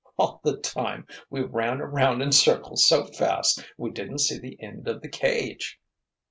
"All the time we ran around in circles so fast we didn't see the end of the cage.